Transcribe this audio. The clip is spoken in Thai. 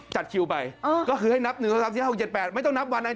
จัดคิวไปก็คือให้นับ๑๓๔๕๖๗๘ไม่ต้องนับวันจัดทางคารพุธ